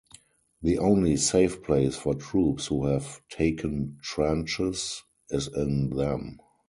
The only safe place for troops who have taken trenches is in them.